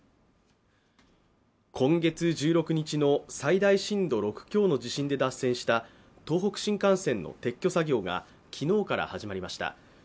今月１６日の最大震度６強の地震で脱線した東北新幹線の撤去作業が昨日から始まりました。